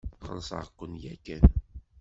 Xellseɣ-ken yakan.